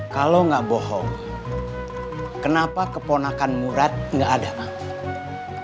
kalau nggak bohong kenapa keponakan murad nggak ada apa